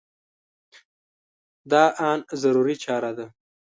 دا ان ضروري چاره ده.